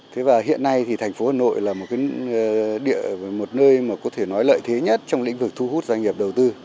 thế và hiện nay thì thành phố hà nội là một nơi mà có thể nói lợi thế nhất trong lĩnh vực thu hút doanh nghiệp đầu tư